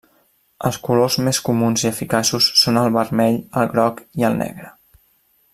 Els colors més comuns i eficaços són el vermell, el groc i el negre.